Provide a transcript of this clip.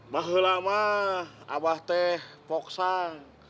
bah kelama abah teh poksang